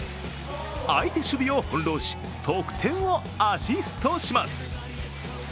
相手守備を翻弄し得点をアシストします。